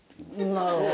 なるほど。